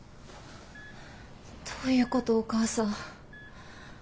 どういうことお母さん。